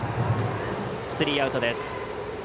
スリーアウトです。